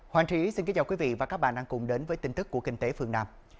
hoàng trí xin kính chào quý vị và các bạn đang cùng đến với tin tức của kinh tế phương nam